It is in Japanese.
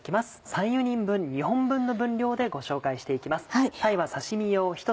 ３４人分２本分の分量でご紹介していきます。